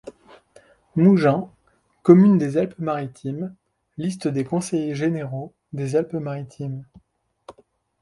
Mougins | Communes des Alpes-Maritimes | Liste des conseillers généraux des Alpes-Maritimes |